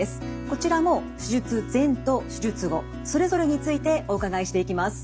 こちらも手術前と手術後それぞれについてお伺いしていきます。